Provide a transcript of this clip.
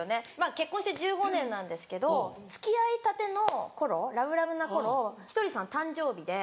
結婚して１５年なんですけど付き合いたての頃ラブラブな頃ひとりさん誕生日で。